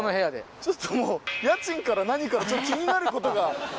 ちょっともう家賃から何から気になることが。